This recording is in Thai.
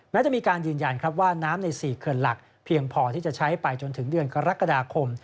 แม้จะมีการยืนยันครับว่าน้ำใน๔เขื่อนหลักเพียงพอที่จะใช้ไปจนถึงเดือนกรกฎาคม